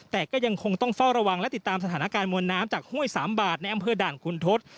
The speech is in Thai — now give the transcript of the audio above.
แต่ก็ยังคงต้องเฝ้าระวังและติดตามสถานการณ์มวลน้ำจากห้วยสามบาทในอำเภอด่านคุณทศ